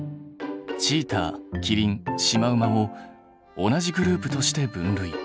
チーターキリンシマウマを同じグループとして分類。